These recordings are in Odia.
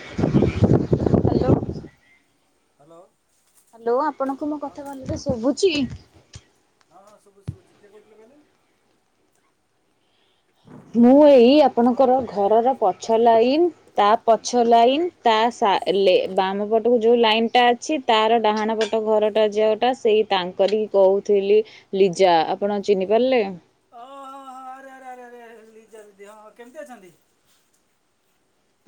ଓ। Hello hello. ହ୍ୟାଲୋ ଆପଣଙ୍କୁ ମୋ ହଁ କଥା କୁହନ୍ତୁ ଭଲରେ ଶୁଭୁଛି? ହଁ ହଁ ଶୁଭୁଛି ଶୁଭୁଛି କିଏ କହୁଥିଲେ କହିଲେ? ମୁଁ ଏଇ ହଁ ଆପଣଙ୍କର କୁହନ୍ତୁ ଘରର ପଛ ଲାଇନ ତା ପଛ ଲାଇନ ତା ସା ଲେ ବାମ ପଟକୁ ଯୋଉ ଲାଇନ ଟା ଅଛି ତାର ଡାହାଣ ପଟ ଘରଟା ଯୋଉଟା ସେଇ ତାଙ୍କରି କହୁଥିଲି ଲିଜା ଆପଣ ଚିହ୍ନି ପାରିଲେ? ଓହୋ ହ ଆରେ ଆରେ ଆରେ ଆରେରେ ଲିଜା ଦିଦି, ହଁ ହଁ, କେମିତି ଅଛନ୍ତି?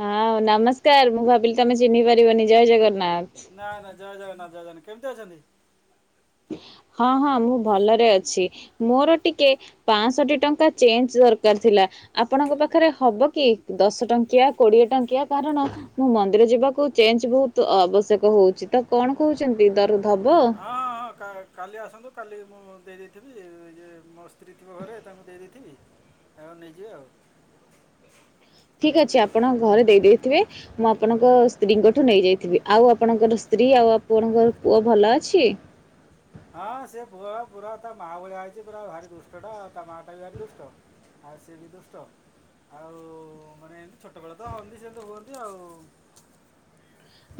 ହଁ ନମସ୍କାର ମୁଁ ଭାବିଲି ତମେ ଚିହ୍ନି ପାରିବନି। ଜୟ ଜଗନ୍ନାଥ। ନା ନା ଜୟ ଜଗନ୍ନାଥ ଜୟ ଜନ, କେମିତି ଅଛନ୍ତି? ହଁ ହଁ ମୁଁ ଭଲରେ ଅଛି। ମୋର ଟିକେ ପାଓଁଷଠି ଟଙ୍କା ଚେଞ୍ଜ ଦରକାର ଥିଲା। ଆପଣଙ୍କ ପାଖରେ ହବ କି? ଦଶ ଟଙ୍କିଆ କୋଡିଏ ଟଙ୍କିଆ କାରଣ ମୁଁ ମନ୍ଦିର ଯିବାକୁ ଚେଞ୍ଜ ବହୁତ ଆବଶ୍ୟକ ହଉଛି ତ କଣ କହୁଛନ୍ତି ଦରୁ ଧବ? ହଁ ହଁ କ କାଲି ଆସନ୍ତୁ, କାଲି ମୁଁ ଦେଇ ଦେଇଥିବି। ଇଏ ମୋ ସ୍ତ୍ରୀ ଥିବ ଘରେ ତାଙ୍କୁ ଦେଇ ଦେଇଥିବି ଆଉ ନେଇଯିବେ ଆଉ। ଠିକ୍ ଅଛି ଆପଣ ଘରେ ଦେଇ ଦେଇଥିବେ। ମୁଁ ଆପଣଙ୍କ ସ୍ତ୍ରୀଙ୍କଠୁ ନେଇଯାଇଥିବି। ଆଉ ଆପଣଙ୍କର ସ୍ତ୍ରୀ ଆଉ ଆପଣଙ୍କର ପୁଅ ଭଲ ଅଛି? ହଁ ସେ ପୁଅ ପୁରା ତା ମାଆ ଭଳିଆ ହେଇଛି। ପୁରା ଭାରି ଦୁଷ୍ଟ ଟା, ତା ମା ଟା ବି ଭାରି ଦୁଷ୍ଟ। ଆ ସେ ବି ଦୁଷ୍ଟ। ଆଉ ମାନେ ଏମିତି ଛୋଟବେଳ ତ ହୁଅନ୍ତି ସେମିତି ହୁଅନ୍ତି ଆଉ।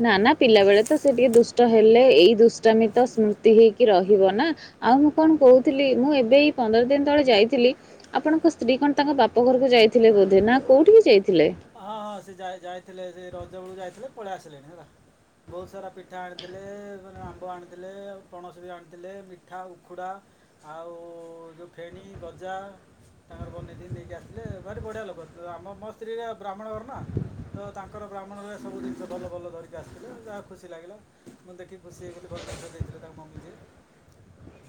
ନା ନା ପିଲାବେଳେ ତ ସେ ଟିକେ ଦୁଷ୍ଟ ହେଲେ ଏଇ ଦୁଷ୍ଟାମି ତ ସ୍ମୃତି ହେଇକି ରହିବ ନା। ଆଉ ମୁଁ କଣ କହୁଥିଲି ମୁଁ ଏବେ ଏଇ ପନ୍ଦର ଦିନ ତଳେ ଯାଇଥିଲି ଆପଣଙ୍କ ସ୍ତ୍ରୀ କଣ ତାଙ୍କ ବାପ ଘରକୁ ଯାଇଥିଲେ ବୋଧେ ନା କୋଉଠିକି ଯାଇଥିଲେ? ହଁ ହଁ ସେ ଯାଇ ଯାଇଥିଲେ ସେ ରଜ ବେଳକୁ ଯାଇଥିଲେ ପଳେଇ ଆସିଲେଣି ହେଲା। ବହୁତ ସାରା ପିଠା ଆଣିଥିଲେ ମାନେ ଆମ୍ବ ଆଣିଥିଲେ ପଣସ ବି ଆଣିଥିଲେ ମିଠା ଉଖୁଡା ଆଉ ଯେଉଁ ଫେଣି ଗଜା। ତାଙ୍କର ବନେଇ ଦ ନେଇକି ଆସିଲେ ଭାରି ବଢିଆ ଲୋକ ଆମ ମୋ ସ୍ତ୍ରୀରେ ବ୍ରାହ୍ମଣ ଘର ନା। ତ ତାଙ୍କର ବ୍ରାହ୍ମଣଘରେ ସବୁ ଜିନିଷ ଭଲ ଭଲ ଧରିକି ଆସିଥିଲେ ଯାହା ଖୁସି ଲାଗିଲା। ମୁଁ ଦେଖିକି ଖୁସି ହେଇଗଲି ଭଲ ଜିନିଷ ଦେଇଥିଲେ ତାଙ୍କ ମମି ଯିଏ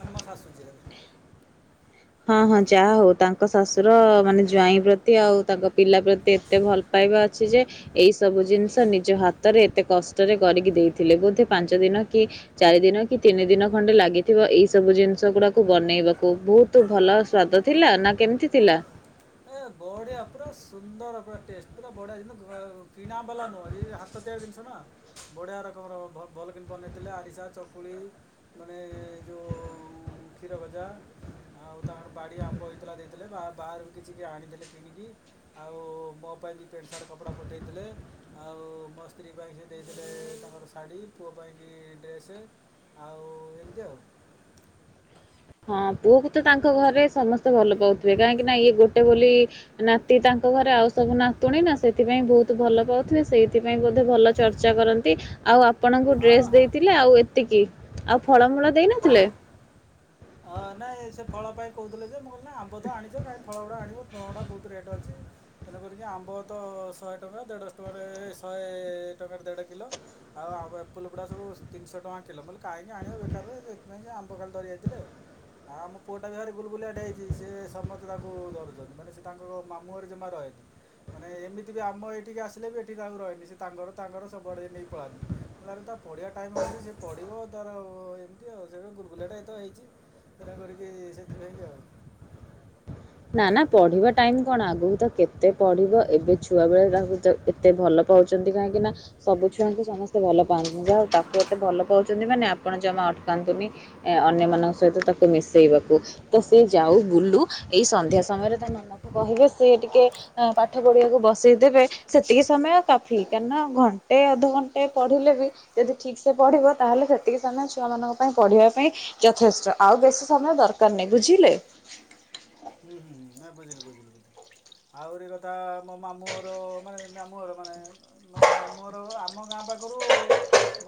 ମେ ମୋ ଶାଶୁ ଯିଏ। ହଁ ହଁ ଯାହା ହଉ ତାଙ୍କ ଶାଶୁର ମାନେ ଜ୍ଵାଇଁ ପ୍ରତି ଆଉ ତାଙ୍କ ପିଲା ପ୍ରତି ଏତେ ଭଲ ପାଇବା ଅଛି ଯେ ଏଇ ସବୁ ଜିନିଷ ନିଜ ହାତରେ ଏତେ କଷ୍ଟରେ କରିକି ଦେଇଥିଲେ ବୋଧେ ପାଞ୍ଚ ଦିନ କି ଚାରି ଦିନ କି ତିନି ଦିନ ଖଣ୍ଡେ ଲାଗିଥିବ ଏଇ ସବୁ ଜିନିଷ ଗୁଡାକୁ ବନେଇବାକୁ ବହୁତ ତୁ ଭଲ ସ୍ଵାଦ ଥିଲା ନା କେମିତି ଥିଲା? ଏ ବଢିଆ ପୁରା ସୁନ୍ଦର ପୁରା ଟେଷ୍ଟ ପୁରା ବଢିଆମ କିଣା ବାଲା ନୁହଁ। ସ ତିଆରି ଜିନିଷ ନା ବଢିଆ ରକମର ଭଲକରି ବନେଇଥିଲେ ଆରିସା, ଚକୁଳି। ମାନେ ଏ ଯେଉଁ କ୍ଷୀର ଭଜା। ଆଉ ତାଙ୍କର ବାଡି ଆମ୍ବ ହେଇଥିଲା ଦେଇଥିଲେ ବାହାରୁ କିଛି କି ଆଣିଥିଲେ କିଣିକି। ଆଉ ମୋ ପାଇଁ ବି ପ୍ୟାଣ୍ଟ ସାର୍ଟ କପଡା ପଠେଇଥିଲେ। ଆଉ ମୋ ସ୍ତ୍ରୀ ପାଇଁ ସେି ଦେଇଥିଲେ ତାଙ୍କର ଶାଢ଼ୀ ପୁଅ ପାଇଁକ ଡ୍ରେସ୍ ଆଉ ଏମିତି ଆଉ। ହଁ ପୁଅକୁ ତ ତାଙ୍କ ଘରେ ସମସ୍ତେ ଭଲ ପାଉଥିବେ କାହିଁକି ନା ଇଏ ଗୋଟେ ବୋଲି ନାତି ତାଙ୍କ ଘରେ ଆଉ ସବୁ ନାତୁଣୀ ନା ସେଥିପାଇଁ ବହୁତ ଭଲ ପାଉଥିବେ ସେଇଥିପାଇଁ ବୋଧେ ଭଲ ଚର୍ଚ୍ଚା କରନ୍ତି ଆଉ ଆପଣଙ୍କୁ ହଁ ହଁ ଡ୍ରେସ୍ ହଁ ଦେଇଥିଲେ ଆଉ ଏତିକି ଆଉ ଫଳମୂଳ ଦେଇନଥିଲେ? ଅ ନାଇଁ ସେ ଫଳ ପାଇଁ କହୁଥିଲେ ଯେ ମୁ କିଲି ଆମ୍ବ ଆଣିଛ କାହିଁ ଫଳୁଡ଼ା ଆଣିବ ଫଳ ଗୁଡା ବହୁତ ରେଟ୍ ଅଛି। ତେଣେ କରିକି ଆମ୍ବ ତ ଶହେ ଟଙ୍କା ଦେଢ଼ଶହ ଟଙ୍କାରେ ଶହେ ଟଙ୍କାରେ ଦେଢ଼ କିଲୋ। ଆଉ ଆମ ଏପଲୁ ଗୁଡା ସବୁ ତିନିହ ଟଙ୍କା କିଲୋ ମୁଁ କହିଲି କାହିଁକି ଆଣିବ ବେକାରରେ ସେଥିପଁ ଆମ୍ବ ଖାଲି ଧରିକିଆଇଥିଲେ। ହଁ ମଁ ପୁଅଟା ବି ଘରେ ଗୁଲଗୁଲିଆଟେ ହେଇଛି ସେ ସମସ୍ତେ ତାଙ୍କୁ ଧରୁଛନ୍ତି ମାନେ ସେ ତାଙ୍କ ମାମୁଁରେ ଜମା ରହେନି। ମାନେ ଏମିତି ବି ଆମ ଏଇଠିକି ଆସିଲେ ବି ଏଠି ତାକୁ ରହନି ସେ ତାଙ୍କର ତାଙ୍କର ସବୁଆଡ଼େ ନେଇକ ପଳାନ୍ତି। ତାହେଲେ ତା ପଢିବା ଟାଇମ୍ ହଉଛି ସେ ପଢିବ ତାର ଏମିତି ଆଉ ସେ ଗୁରୁକୁୁଲିଆଟା ଏତ ହେଇଛି। ସେନା କରିକି ସେଥିପାଇଁକି ଆଉ। ନା ନା ପଢିବା ଟାଇମ କଣ ଆଗକୁ ତ କେତେ ପଢିବ ଏବେ ଛୁଆ ବେଳେ ତାକୁ ତ ଏତେ ଭଲ ପାଉଛନ୍ତି କାହିଁକି ନା ସବୁ ଛୁଆନ୍ତୁ ସମସ୍ତେ ଭଲ ପାଆନ୍ତିୁ ଯାହା ତାକୁ ଏତେ ଭଲ ପାଉଛନ୍ତି ମାନେ ଆପଣ ଜମା ଅଟକାନ୍ତୁନି। ଅନ୍ୟମାନାନଙ୍କ ସହିତ ତାକୁ ମିଶେଇବାକୁ ତ ସି ଯାଉ ବୁଲୁ। ଏଇ ସନ୍ଧ୍ୟା ସମୟରେ ତା ମାମକୁ କହିବେ ସି ଟିକେ ପାଠ ପଢ଼ିବାକୁ ବସେଇ ଦେବେ। ସେତିକି ସମୟ କାଫି କାହିଁକିନା ନା ଘଣ୍ଟେ ଅଧଘଣ୍ଟେ ପଢିଲେ ବି ଯଦି ଠିକ୍ ସେ ପଢିବ ତାହେଲେ ସେତିକି ସେମାନେ ଛୁଆମାନଙ୍କ ପାଇଁ ପଢିବା ପାଇଁ ଯଥେଷ୍ଟ ଆଉ ବେଶୀ ସମୟ ଦରକାର ନାହିଁ ବୁଝିଲେ। ହୁଁ ହୁଁ ବୁଝିଲି ବୁଝିଲି ବୁଝିଲି। ଆହୁରି କଥା ମୋ ମାମୁଁଘର ମାନେ ମାମୁଁର ମାନେ ନ ମାମୁଁ ଘର ଆମ ଗାଁ ପାଖରୁ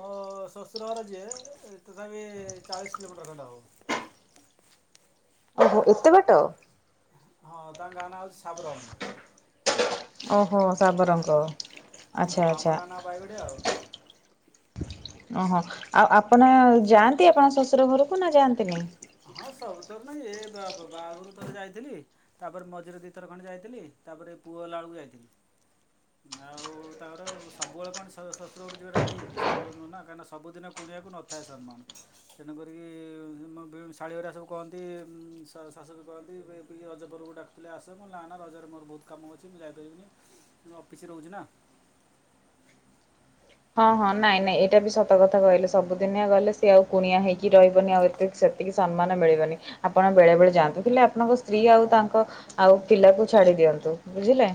ମୋ ଶଶୁର ଘର ଯିଏ ତଥାପି ଚାଳିଶ କିଲୋମିଟର ଖଣ୍ଡେ ହବ। ଓହୋ ଏତେ ବାଟ! ହଁ ତାଙ୍କ ଗାଁ ନା ହେଉଛି ସାବ ରଙ୍ଗ। ଓହୋ ଶାବରଙ୍ଗ। ହଁ ଆମ ଗାଁ ନା ପାଇବଡିଆ ଆଉ। ଓହୋ ଆଉ ଆପଣ ଯାଆନ୍ତି ଆପଣ ଶଶୁର ଘରକୁ ନା ଯାଆନ୍ତି ନି? ହଁ ସବୁ ତର ନାଇଁ ଏ ବା ବାହାଘରୁ ଥରେ ଯାଇଥିଲି। ତାପରେ ମଝିରେ ଦିଇଥର ଖଣ୍ଡେ ଯାଇଥିଲି ତାପରେ ପୁଅ ହେଲା ବେଳକୁ ଯାଇଥିଲି ହୁଁ ଆଉ ତାଙ୍କର ସବୁବେଳେ କଣ ଶ୍ୱଶୁରର ଯିବାଟା ଠିକ୍ ସେବୁବେଳେ ନୁହେ କାହିଁକ ସୁିନୁଣିବାକୁ ନ ଥାଏ ସମ୍ମାନ ତେଣୁକିକି ଶାଳଳି ଭଳିଆ ସବୁହନ୍ତି ଶାଶୁ ବି କହନ୍ତି ଏ ରଜ ପର୍ବକୁ ଡାକୁଥିଲେ ଆସ ମୋ ନା ନା ରଜରେ ମୋର ବହୁତ କାମ ଅଛି ମୁଁ ଯାଇପାରିବିନି ମୁ ଅଫିସରେ ରହୁଛି ନା ହଁ ହଁ ନାଇଁ ନାଇଁ ଏଇଟା ବି ସତ କଥା କହିଲେ ସବୁଦିନିଆ ଗଲେ ସେ ଆଉ କୁଣିଆ ହେଇକି ରହିବନି ଆଉ ଏ ଏତିକି ସମ୍ମାନ ମିଳିବନି ଆପଣ ବେଳେ ବେଳେ ଯାଆନ୍ତୁ ହେଲେ ଆପଣଙ୍କ ସ୍ତ୍ରୀ ଆଉ ତାଙ୍କ ଆଉ ପିଲାକୁ ଛାଡି ଦିଅନ୍ତୁ ବୁଝିଲେ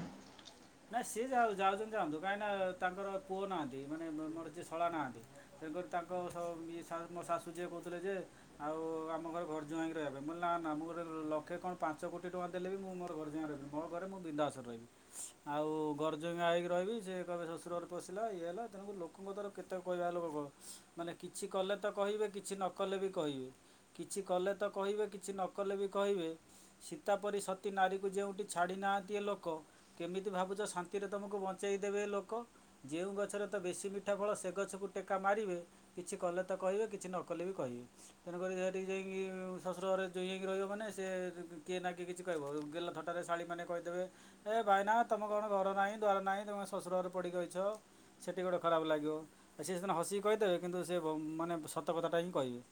ନାାଇଁ ସିଏ ଯାଉଛନ୍ତି ଯାଆନ୍ତୁ କାହିଁକି ନା ତାଙ୍କର ପୁଅ ନାହାନ୍ତି ମାନେ ମୋର ଯିଏ ଶଳା ନାହାନ୍ତି ତେଣକରି ତାଙ୍କ ମୋ ଶାଶୁ ଯିଏ କହୁଥିଲେ ଯେ ଆଉ ଆମ ଘରେ ଘରଜୁଆାଇଁଙ୍କିରେ ହେବେ ବିଲ ନା ନା ଆମ ଘରେ ଲକ୍ଷେ କଣ ପାଞ୍ଚ କୋଟି ଟଙ୍କା ଦେଲେ ବି ମୁଁ ମୋର ଘରେ ଯାଁ ରହିବି କୋ ଘରେ ମୁଁ ବିଧାସରେ ରହିବି ଆଉ ଗର୍ଜଙ୍ଗ ଆଇକି ରହିବି ସେ କହିବେ ଶ୍ୱଶୁର ଘରେ ପଶିଲା ଇଏ ହେଲା ତେଣୁ ଲୋକଙ୍କ ଦ୍ୱାରା କେତେ କହିବା ହେ ଲୋକ କ ମାନେ କିଛି କଲେ ତ କହିବେ କିଛି ନ କଲେ ବି କହିବେ କିଛି କଲେ ତ କହିବେ କିଛି ନ କଲେ ବି କହିବେ ସୀତାପରି ସତୀ ନାରୀକୁ ଯେଉଁଠି ଛାଡ଼ି ନାହାନ୍ତି ଏ ଲୋକ କେମିତି ଭାବୁଛ ଶାନ୍ତିରେ ତୁମକୁ ବଞ୍ଚେଇ ଦେେବେ ଲୋକ ଯେଉଁ ଗଛରେ ତ ବେଶୀ ମିଠା ଫଳ ସେ ଗଛକୁ ଟେକା ମାରିବେ କିଛି କଲେ ତ କହିବେ କିଛି ନ କଲେ ବି କହିବେ ତେଣୁକରି ଯହାି ଯାଇକି ଶଶୁର ଘରେ ଯ ଯାଇକି ରହିବ ମାନେ ସେ କିଏ ନା କିଏ କିଛି କହିବ ଗେଲ ଧଥଟାରେ ଶାଳୀ ମେ କହିଦେବେ ଭାଇନା ତମେ କଣ ଘର ନାହିଁ ଦ୍ୱାର ନାହିଁ ତମେ ଶ୍ଶୁର ଘରେ ପଡିକି ଅଛ ସେଠି ଗୋଟେ ଖରାପ ଲାଗିବ ଆଉ ସେିଏ ସେ ହସିକି କହିଦେବେ କିନ୍ତୁ ସେ ମାନେ ସତ କଥାଟା ହିଁ କହିବେ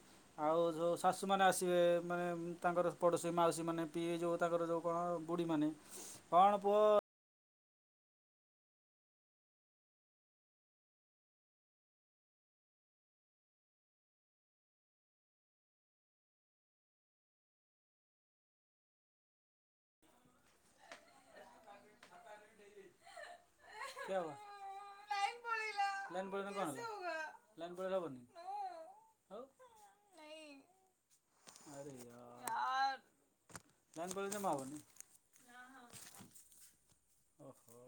ଆଉ ଯେଉଁ ଶାଶୁମାନେ ଆସିବେ ମାନେ ତାଙ୍କର ପଡ଼ୋଶୀ ମାଉସୀ ମାନେ ପିଇ ଯେଉଁ ତାଙ୍କର ଯେଉଁ କଣ ବୁଢ଼ୀମାନୋନେ କଣ ପୁଅ [unintelligible] କେଲ ଣବ ଲାଇନ ପ ହବନି ହଉ ଆରେ କମା ଆବନି ଓହୋ